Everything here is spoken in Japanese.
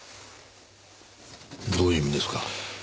どういう意味ですか？